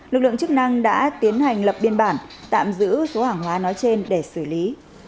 lực lượng chức năng đã tiến hành lập biên bản tạm giữ số hàng hóa nói trên để xử lý